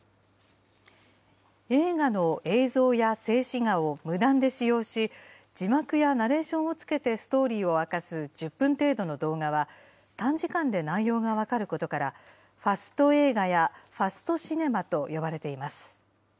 映画の映像や静止画を無断で使用し、字幕やナレーションをつけてストーリーを明かす１０分程度の動画は、短時間で内容が分かることから、ファスト映画やファストシネマと呼ばれています。